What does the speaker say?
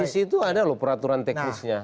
di situ ada loh peraturan teknisnya